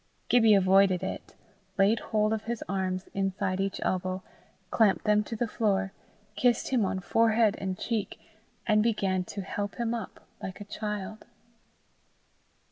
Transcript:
Gibbie avoided it, laid hold of his arms inside each elbow, clamped them to the floor, kissed him on forehead and cheek, and began to help him up like a child.